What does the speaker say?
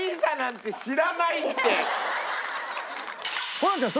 ホランちゃん